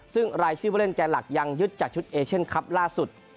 ซึ่งรายชื่อผู้เล่นแก่หลักยังยึดจากชุดเอเชียนคลับล่าสุด